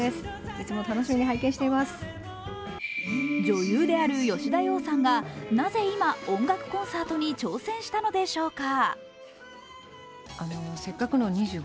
女優である吉田羊さんがなぜ今音楽コンサートに挑戦したのでしょうか。